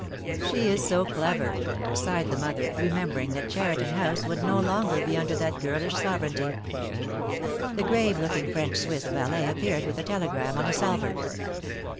"She is so clever," sighed the mother, remembering that Cheriton House would no longer be under that girlish sovereignty. The grave looking French Swiss valet appeared with a telegram on a salver.